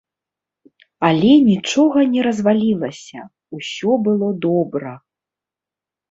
Але нічога не развалілася, усё было добра.